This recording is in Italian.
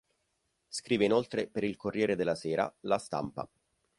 Scrive inoltre per il Corriere della Sera, La Stampa.